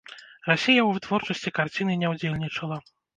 Расія ў вытворчасці карціны не ўдзельнічала.